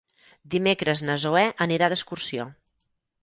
Dimecres na Zoè anirà d'excursió.